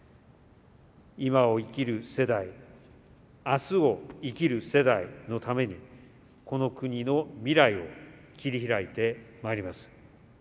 今を生きる世代明日を生きる世代のためにこの国の未来を切り拓いてまいります。